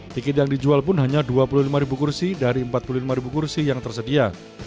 tiket yang dijual pun hanya dua puluh lima kursi dari empat puluh lima kursi yang tersedia